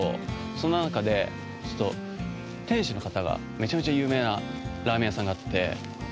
そんな中で、ちょっと店主の方がめちゃめちゃ有名なラーメン屋さんがあって。